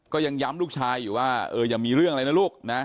ก็ยังย้ำลูกชายอยู่ว่าอย่ามีเรื่องอะไรนะลูกนะ